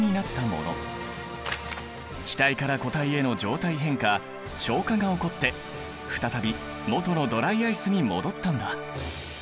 気体から固体への状態変化昇華が起こって再びもとのドライアイスに戻ったんだ。